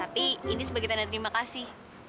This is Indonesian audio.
tapi ini sebagai tanda terima kasih